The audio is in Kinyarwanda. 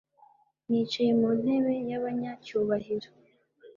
nicaye mu ntebe yabanyacyubahiro